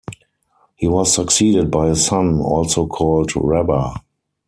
He was succeeded by his son, also called Rabbah.